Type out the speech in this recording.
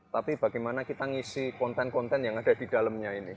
tapi bagaimana kita ngisi konten konten yang ada di dalamnya ini